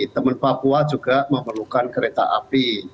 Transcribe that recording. teman papua juga memerlukan kereta api